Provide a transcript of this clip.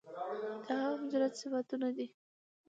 دا هغه مجرد صفتونه دي